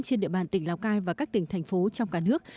của tỉnh lào cai và các tỉnh thành phố trong cả nước